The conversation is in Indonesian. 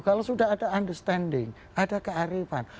kalau sudah ada understanding ada kearifan